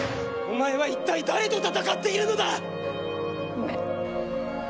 お前は一体誰と戦っているのだ⁉ごめん。